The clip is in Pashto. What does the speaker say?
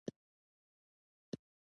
په جمیره کې د بډایو افغانانو کورونه هم شته.